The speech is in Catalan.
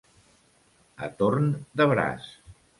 A torn de braç.